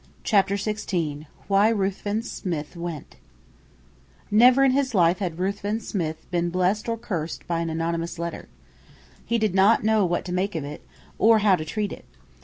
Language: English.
CHAPTER XVI WHY RUTHVEN SMITH WENT Never in his life had Ruthven Smith been blessed or cursed by an anonymous letter. He did not know what to make of it, or how to treat it.